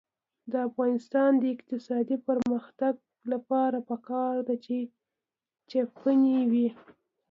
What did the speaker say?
د افغانستان د اقتصادي پرمختګ لپاره پکار ده چې چپنې وي.